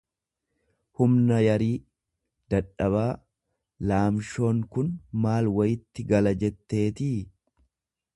humna yarii, dadhabaa; Laamshoon kun maal wayitti gala jetteetii.